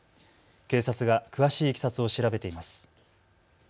警察が詳しいいきさつを調べています。